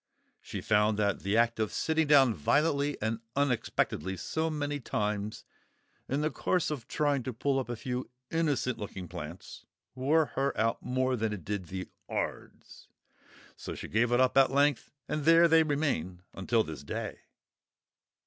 She found that the act of sitting down violently and unexpectedly so many times in the course of trying to pull up a few innocent looking plants, wore her out more than it did the 'ards; so she gave it up at length, and there they remain until this day!